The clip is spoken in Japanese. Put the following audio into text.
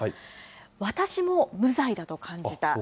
私も無罪だと感じた。